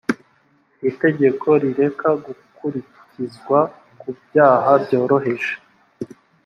itegeko rireka gukurikizwa ku byaha byoroheje